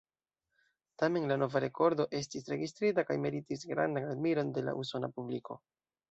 Tamen la nova rekordo estis registrita kaj meritis grandan admiron de la usona publiko.